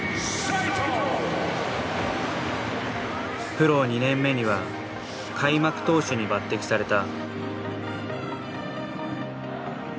プロ２年目には開幕投手に抜てきされた。